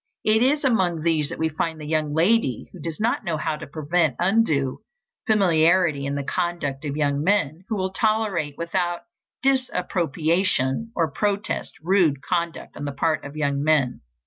It is among these that we find the young lady who does not know how to prevent undue familiarity in the conduct of young men; who will tolerate without disapprobation or protest, rude conduct on the part of young men.